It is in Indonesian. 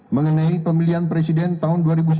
mengenai pemilihan presiden tahun dua ribu sembilan belas